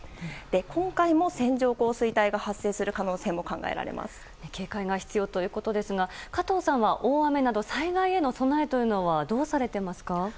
今回も線状降水帯が発生する警戒が必要ということですが加藤さんは大雨など災害への備えはどうされていますか。